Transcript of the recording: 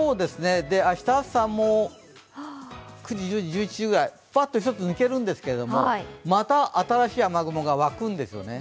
明日朝も、９時１０時１１時ぐらいふわっと抜けるんですけど、また新しい雨雲がわくんですよね。